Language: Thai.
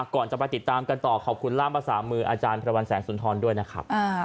ก่อนจะไปติดตามกันต่อขอบคุณล่ามภาษามืออาจารย์พระวันแสงสุนทรด้วยนะครับ